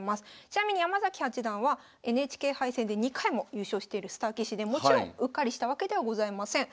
ちなみに山崎八段はＮＨＫ杯戦で２回も優勝してるスター棋士でもちろんうっかりしたわけではございません。